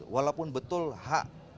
walaupun betul hak